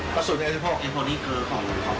ปราธิบดีทุกคน